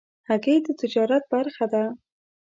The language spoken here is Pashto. هګۍ د تجارت برخه ده.